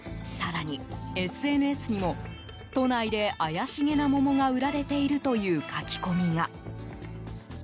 更に、ＳＮＳにも都内で怪しげな桃が売られているという書き込みが。